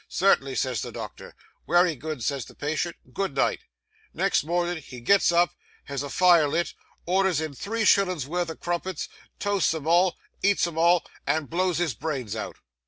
"Certainly," says the doctor. "Wery good," says the patient; "good night." Next mornin' he gets up, has a fire lit, orders in three shillins' wurth o' crumpets, toasts 'em all, eats 'em all, and blows his brains out.